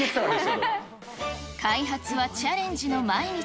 開発はチャレンジの毎日。